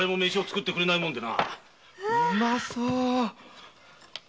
うまそう。